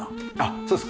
そうです。